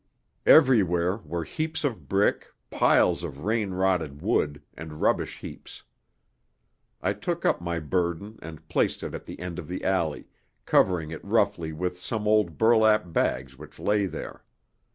Everywhere were heaps of brick, piles of rain rotted wood, and rubbish heaps. I took up my burden and placed it at the end of the alley, covering it roughly with some old burlap bags which lay there.